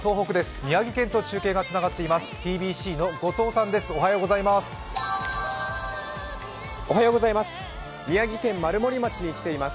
宮城県と中継がつながっています。